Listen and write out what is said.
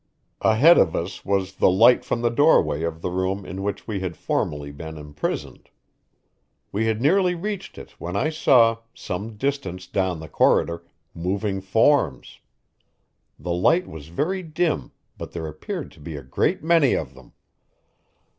Ahead of us was the light from the doorway of the room in which we had formerly been imprisoned. We had nearly reached it when I saw, some distance down the corridor, moving forms. The light was very dim, but there appeared to be a great many of them.